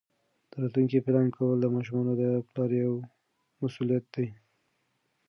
د راتلونکي پلان کول د ماشومانو د پلار یوه مسؤلیت ده.